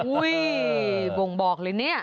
อุ๊ยบ่งบอกเลยนี่